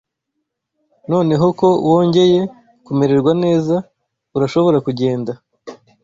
Noneho ko wongeye kumererwa neza, urashobora kugenda.